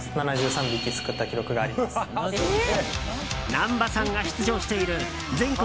難波さんが出場している全国